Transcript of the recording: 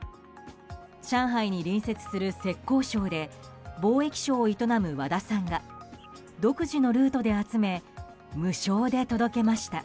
上海に隣接する浙江省で貿易商を営む和田さんが独自のルートで集め無償で届けました。